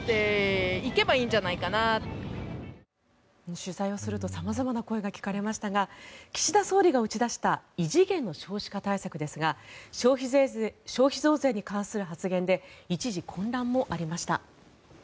取材をすると様々な声が聞かれましたが岸田総理が打ち出した異次元の少子化対策ですが消費増税に関する発言で一時、混乱もありました。